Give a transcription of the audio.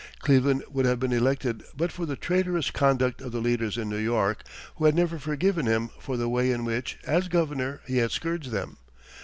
Cleveland would have been elected but for the traitorous conduct of the leaders in New York, who had never forgiven him for the way in which, as governor, he had scourged them.